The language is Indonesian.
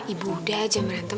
ibu udah jangan merantem